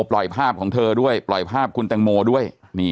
ปล่อยภาพของเธอด้วยปล่อยภาพคุณแตงโมด้วย